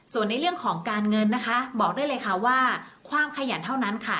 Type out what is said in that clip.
ส่วนในเรื่องของการเงินนะคะบอกได้เลยค่ะว่าความขยันเท่านั้นค่ะ